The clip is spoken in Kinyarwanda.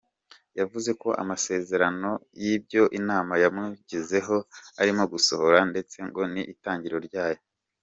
Yavuze ko amasezerano y'ibyo Imana yamuvuzeho arimo gusohora ndetse ngo ni itangiriro ryayo.